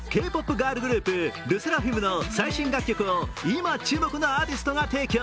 ガールズグループＬＥＳＳＥＲＡＦＩＭの最新楽曲を今注目のアーティストが提供。